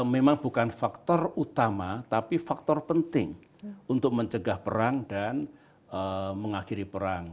memang bukan faktor utama tapi faktor penting untuk mencegah perang dan mengakhiri perang